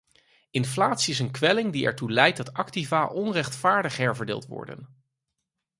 Inflatie is een kwelling die ertoe leidt dat activa onrechtvaardig herverdeeld worden.